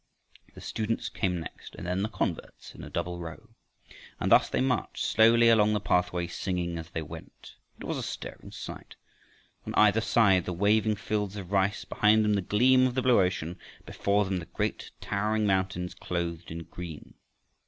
The students came next, and then the converts in a double row. And thus they marched slowly along the pathway singing as they went. It was a stirring sight. On either side the waving fields of rice, behind them the gleam of the blue ocean, before them the great towering mountains clothed in green.